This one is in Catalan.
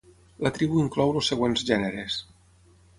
La tribu inclou els següents gèneres.